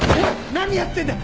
何やってんだ！